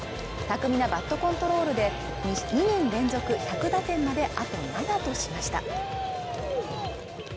巧みなバットコントロールで２年連続１００打点まであと７としました